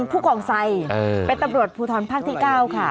เป็นตำรวจภูทรภาคที่๙ค่ะ